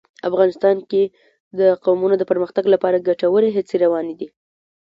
افغانستان کې د قومونه د پرمختګ لپاره ګټورې هڅې روانې دي.